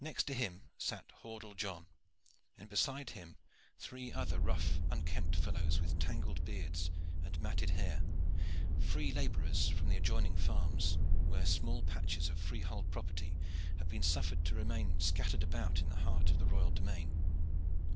Next to him sat Hordle John, and beside him three other rough unkempt fellows with tangled beards and matted hair free laborers from the adjoining farms, where small patches of freehold property had been suffered to remain scattered about in the heart of the royal demesne.